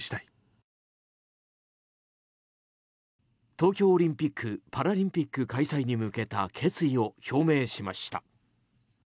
東京オリンピック・パラリンピック開催に向けた決意を表明しました。